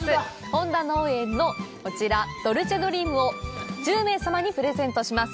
本田農園のこちらドルチェドリームを１０名様にプレゼントします